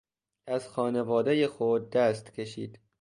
از خانوادهٔ خود دست کشید.